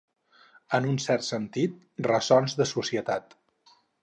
En un cert sentit, ressons de societat.